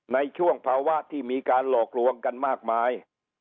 ในช่วงภาวะที่มีการหลอกลวงกันมากมาย